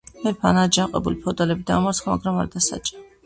მეფემ აჯანყებული ფეოდალები დაამარცხა, მაგრამ არ დასაჯა.